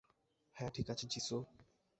হ্যাঁ ঠিক আছে যীশু।